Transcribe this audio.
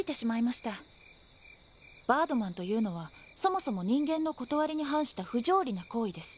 バードマンというのはそもそも人間のことわりに反した不条理な行為です。